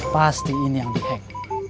pasti ini yang dihack